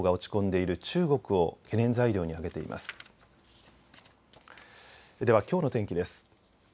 ではきょうの天気です。